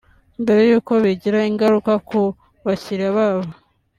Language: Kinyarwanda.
mbere y’uko bigira ingaruka ku bakiliya babo